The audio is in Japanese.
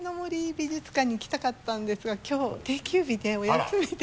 美術館に行きたかったんですがきょう定休日でお休みで。